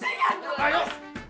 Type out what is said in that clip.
cingkat ya mas